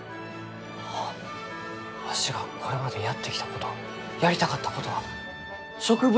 あわしがこれまでやってきたことやりたかったことは植物